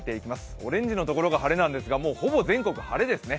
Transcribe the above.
オレンジのところが晴れですが、ほぼ全国、晴れですね。